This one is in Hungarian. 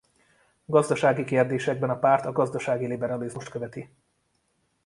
Gazdasági kérdésekben a párt a gazdasági liberalizmust követi.